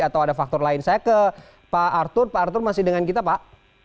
atau ada faktor lain saya ke pak arthur pak arthur masih dengan kita pak